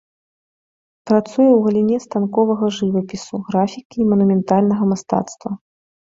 Працуе ў галіне станковага жывапісу, графікі і манументальнага мастацтва.